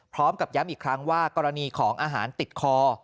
พร้อมกับย้ำอีกครั้งว่ากรณีของอาหารติดคอ